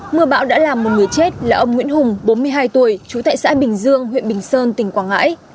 mưa bão đã làm một người chết là ông nguyễn hùng bốn mươi hai tuổi trú tại xã bình dương huyện bình sơn tỉnh quảng ngãi